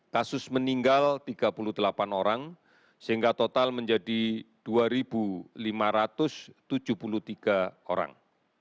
kasus meninggal tiga puluh delapan orang sehingga total menjadi dua lima ratus tujuh puluh tiga orang